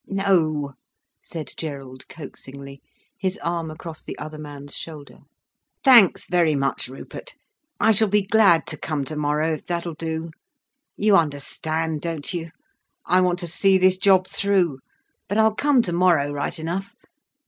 "No," said Gerald coaxingly, his arm across the other man's shoulder. "Thanks very much, Rupert—I shall be glad to come tomorrow, if that'll do. You understand, don't you? I want to see this job through. But I'll come tomorrow, right enough.